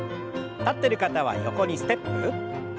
立ってる方は横にステップ。